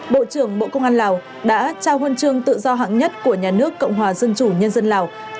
bộ trưởng bộ công an lào đã trao huân chương tự do hạng nhất của nhà nước cộng hòa dân chủ nhân dân lào